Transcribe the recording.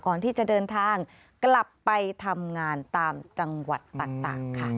ก่อนที่จะเดินทางกลับไปทำงานตามจังหวัดต่างค่ะ